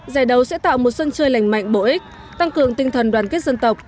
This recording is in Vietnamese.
giải đấu sẽ tạo một sân chơi lành mạnh bổ ích tăng cường tinh thần đoàn kết dân tộc